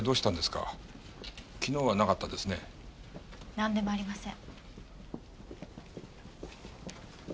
なんでもありません。